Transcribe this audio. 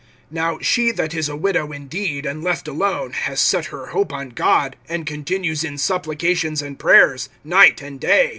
(5)Now she that is a widow indeed, and left alone, has set her hope on God, and continues in supplications and prayers, night and day.